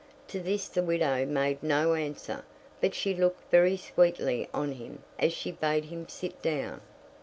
To this the widow made no answer, but she looked very sweetly on him as she bade him sit down.